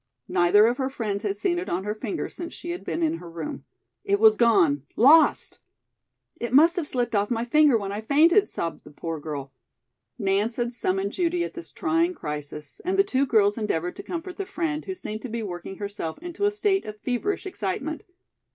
Neither of her friends had seen it on her finger since she had been in her room. It was gone lost! "It must have slipped off my finger when I fainted," sobbed the poor girl. Nance had summoned Judy at this trying crisis, and the two girls endeavored to comfort their friend, who seemed to be working herself into a state of feverish excitement.